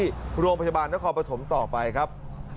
หัวโรงพยาบาลและคอปฐมต่อไปครับ